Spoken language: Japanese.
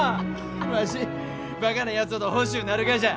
わしバカなやつほど欲しゅうなるがじゃ。